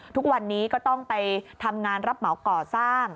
ทุกวันนี้ก็ต้องไปทำงานรับเหมาก่อสร้าง